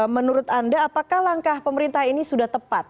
menurut anda apakah langkah pemerintah ini sudah tepat